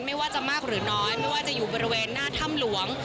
ไม่ว่าจะมากหรือน้อยไม่ว่าจะอยู่บริเวณหน้าถ้ำหลวง